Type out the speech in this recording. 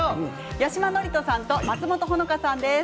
八嶋智人さんと松本穂香さんです。